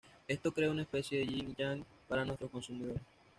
Esto crea una especie de yin y yang para nuestros consumidores.